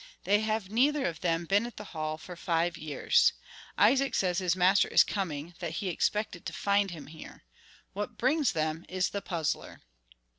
They have neither of them been at the Hall for five years. Isaac says his master is coming–that he expected to find him here. What brings them is the puzzler."